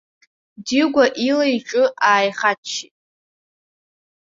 Дигәа ила-иҿы ааихаччеит.